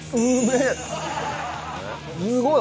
すごい。